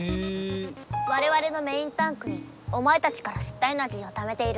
われわれのメインタンクにお前たちからすったエナジーをためている。